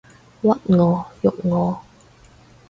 屈我辱我